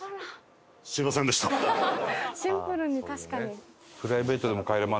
シンプルに確かに。